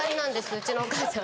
うちのお母さん。